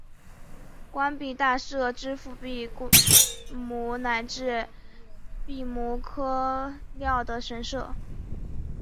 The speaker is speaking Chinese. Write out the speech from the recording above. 官币大社支付币帛乃至币帛料的神社。